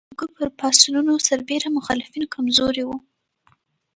کروندګرو پر پاڅونونو سربېره مخالفین کم زوري وو.